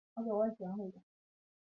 魔宠魔宠专卖店